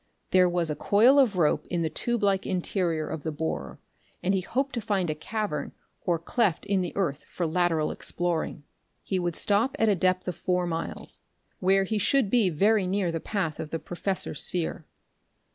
There was a coil of rope in the tube like interior of the borer, and he hoped to find a cavern or cleft in the earth for lateral exploring. He would stop at a depth of four miles where he should be very near the path of the professor's sphere.